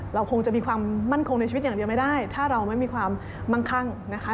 เราคงจะมีความมั่นคงในชีวิตอย่างเดียวไม่ได้ถ้าเราไม่มีความมั่งคั่งนะคะ